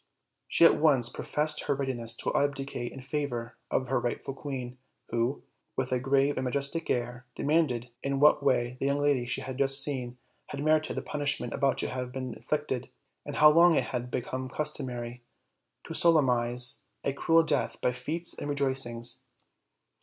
She at once professed her readi ness to abdicate in favor of her rightful queen, who, with a grave and majestic air, demanded in what way the young lady she had just seen had merited the punish ment about to have been inflicted, and how long it had become customary to solemnize a cruel death by feasts and rejoicings.